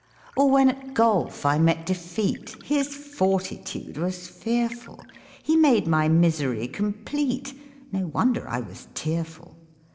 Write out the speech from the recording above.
Or when at golf I met defeat, His fortitude was fearful. He made my misery complete ; No wonder I was tearful.